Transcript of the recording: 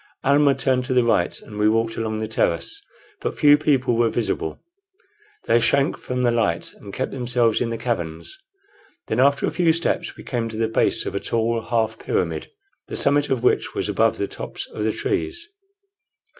Almah turned to the right, and we walked along the terrace. But few people were visible. They shrank from the light, and kept themselves in the caverns. Then after a few steps we came to the base of a tall half pyramid, the summit of which was above the tops of the trees.